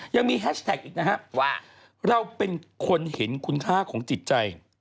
แฮชแท็กอีกนะฮะว่าเราเป็นคนเห็นคุณค่าของจิตใจ